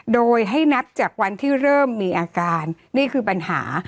โดยให้นับจากวันที่เริ่มมีอาการนี่คือปัญหา